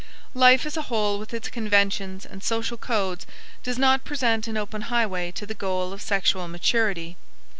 Life as a whole with its conventions and social codes does not present an open highway to the goal of sexual maturity.